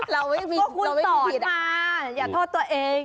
เราไม่มีพวกคุณสอนมาอย่าโทษตัวเอง